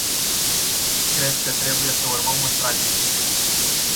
Cred că trebuie să urmăm o strategie.